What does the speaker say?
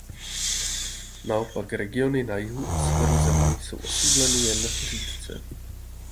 Naopak regiony na jihu a severu země jsou osídleny jen řídce.